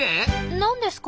何ですか？